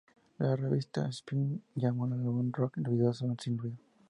La revista Spin llamó al álbum ""rock ruidoso" sin ruido.